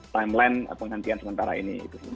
timeline penghentian sementara ini